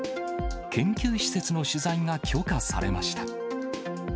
研究施設の取材が許可されました。